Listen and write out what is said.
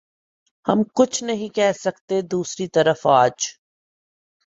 ہم کچھ نہیں کہہ سکتے دوسری طرف آج